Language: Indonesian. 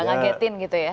tidak mengagetin gitu ya